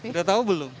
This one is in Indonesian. udah tahu belum